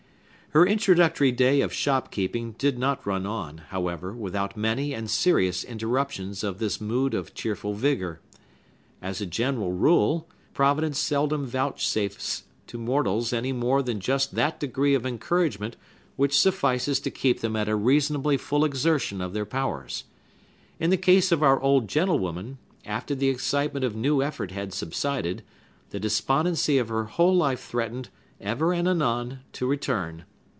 Her introductory day of shop keeping did not run on, however, without many and serious interruptions of this mood of cheerful vigor. As a general rule, Providence seldom vouchsafes to mortals any more than just that degree of encouragement which suffices to keep them at a reasonably full exertion of their powers. In the case of our old gentlewoman, after the excitement of new effort had subsided, the despondency of her whole life threatened, ever and anon, to return.